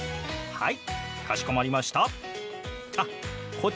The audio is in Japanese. はい。